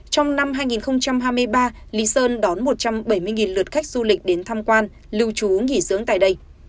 trong năm hai nghìn hai mươi ba lý sơn đón một trăm bảy mươi lượt khách du lịch đến tham quan lưu trú nghỉ dưỡng tại đây